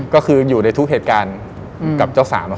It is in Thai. ก็คืออยู่ในทุกเหตุการณ์กับเจ้าสาว